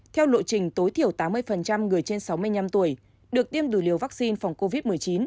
theo lộ trình tối thiểu tám mươi người trên sáu mươi năm tuổi được tiêm đủ liều vaccine phòng covid một mươi chín